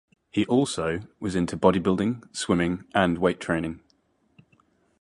He also was into bodybuilding, swimming, and weight training.